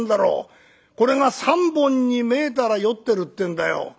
これが３本に見えたら酔ってるっていうんだよ」。